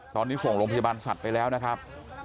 ตอนนี้ส่งโรงพยาบาลสัตว์ไปแล้วนะครับ